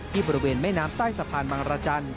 ที่บริเวณแม่น้ำใต้สะพานมังระจัน